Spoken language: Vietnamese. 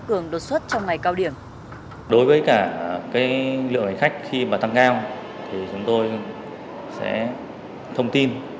kỳ lượng hành khách khi mà tăng cao thì chúng tôi sẽ thông tin